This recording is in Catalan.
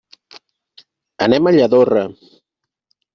Anem a Lladorre.